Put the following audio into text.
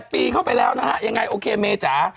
ปีเข้าไปแล้วนะฮะยังไงโอเคเมจ๋า